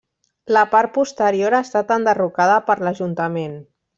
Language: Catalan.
La part posterior ha estat enderrocada per l'Ajuntament.